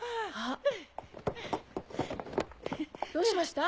どうしました？